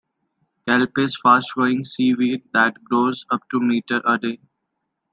Kelp is a fast-growing seaweed that grows up to a metre a day.